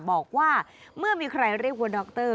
บอกว่าเมื่อมีใครเรียกว่าด็อกเตอร์